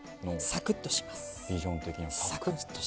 サクッとします。